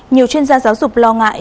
nhiều chuyên gia giáo dục lo ngại